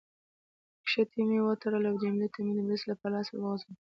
کښتۍ مې وتړله او جميله ته مې د مرستې لپاره لاس ور وغځاوه.